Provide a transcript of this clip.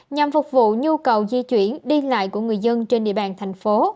nhằm phục vụ nhu cầu di chuyển đi lại của người dân trên địa bàn tp hcm